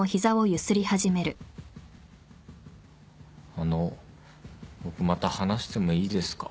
あの僕また話してもいいですか？